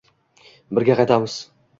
Birga qaytamiz.